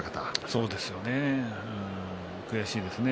そうですね、悔しいですね。